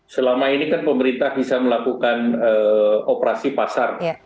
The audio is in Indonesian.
selama ini kan pemerintah bisa melakukan operasi pasar